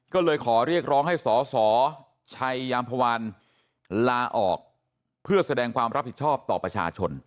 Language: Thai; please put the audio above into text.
ก็เลยขอเรียกร้องให้สสชัยยามพวานลาออกเพื่อแสดงความรับผิดชอบต่อประชาชน